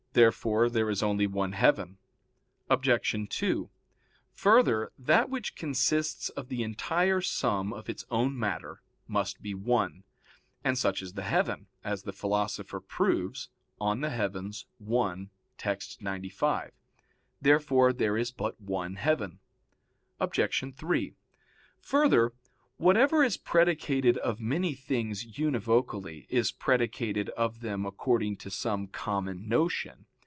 Therefore there is only one heaven. Obj. 2: Further, that which consists of the entire sum of its own matter, must be one; and such is the heaven, as the Philosopher proves (De Coel. i, text. 95). Therefore there is but one heaven. Obj. 3: Further, whatever is predicated of many things univocally is predicated of them according to some common notion.